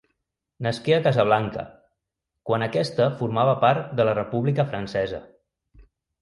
Nasqué a Casablanca, quan aquesta formava part de la República francesa.